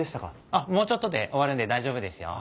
あっもうちょっとで終わるんで大丈夫ですよ。